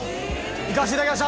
行かせていただきました！